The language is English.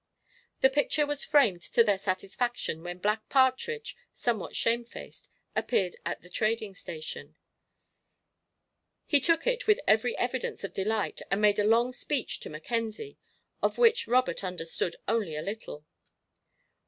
The picture was framed to their satisfaction when Black Partridge, somewhat shamefaced, appeared at the trading station. He took it with every evidence of delight and made a long speech to Mackenzie, of which Robert understood only a little.